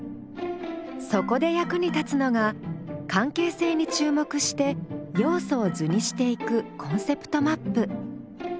そこで役に立つのが関係性に注目して要素を図にしていくコンセプトマップ。